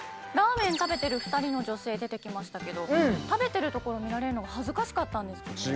ラーメン食べてる２人の女性出てきましたけど食べてるところ見られるのが恥ずかしかったんですかね？